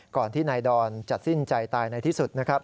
ก่อนที่นายดอนจะสิ้นใจตายในที่สุดนะครับ